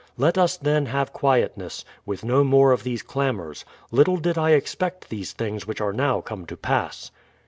Let us then have quietness, and no more of these clamours; little did I expect these things which are now come to pass.